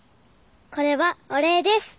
これはお礼です。